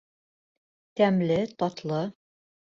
Тәмле, татлы